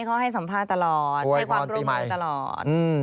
เขาให้สัมภาษณ์ตลอดให้ความร่วมมือตลอด